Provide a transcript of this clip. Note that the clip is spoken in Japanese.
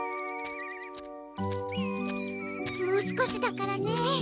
もう少しだからね。